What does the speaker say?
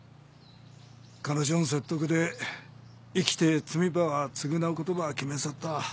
彼女ん説得で生きて罪ば償うことば決めんさった。